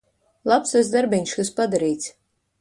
Labs tas darbiņš, kas padarīts.